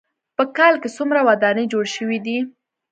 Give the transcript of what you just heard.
په کال کې څومره ودانۍ جوړې شوې دي.